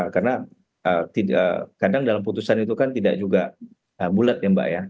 karena kadang dalam putusan itu kan tidak juga bulat ya mbak ya